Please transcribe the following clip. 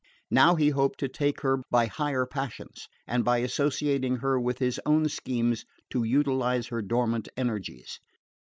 Now he hoped to take her by higher passions, and by associating her with his own schemes to utilise her dormant energies.